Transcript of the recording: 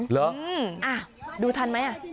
หรืออ่ะดูทันไหม